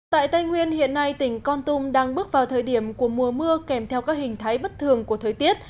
tại tây nguyên hiện nay tỉnh con tum đang bước vào thời điểm của mùa mưa kèm theo các hình thái bất thường của thời tiết